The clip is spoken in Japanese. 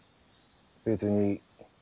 別に。